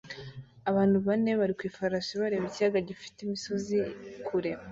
Abantu bane bari ku ifarashi bareba ikiyaga gifite imisozi kure